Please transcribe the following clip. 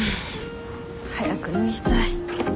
早く脱ぎたい。